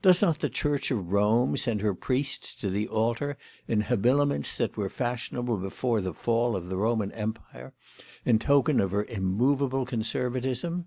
Does not the Church of Rome send her priests to the altar in habiliments that were fashionable before the fall of the Roman Empire, in token of her immovable conservatism?